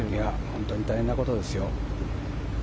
本当に大変なことですよ。